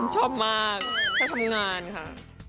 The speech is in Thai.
ชอบมากชอบทำงานค่ะ